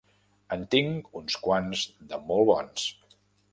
En tinc uns quants de molt bons.